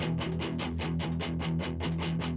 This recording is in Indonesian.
akan itu kau lakukan oddangan